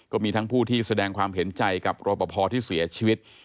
ก็มีทั้งผู้ที่แสดงความเห็นใจกับรอปภที่เสียชีวิต